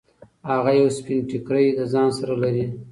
هغه یو سپین ټیکری له ځان سره لري.